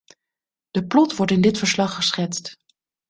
De plot wordt in dit verslag geschetst.